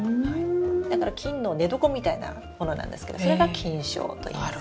だから菌の寝床みたいなものなんですけどそれが菌床といいます。